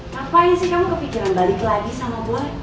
ngapain sih kamu kepikiran balik lagi sama gue